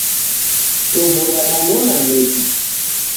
Chovu radanona midi